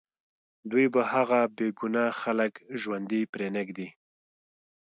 دوی به هغه بې ګناه خلک ژوندي پرېنږدي